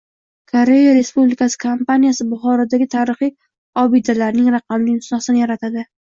Koreya Respublikasi kompaniyasi Buxorodagi tarixiy obidalarning raqamli nusxasini yaratadi